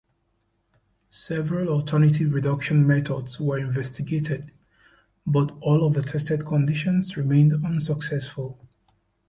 Several alternative reduction methods were investigated, but all of the tested conditions remained unsuccessful.